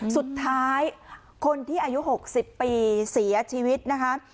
สุดท้ายคนที่อายุ๖๐ปีเสียชีวิตนะคะ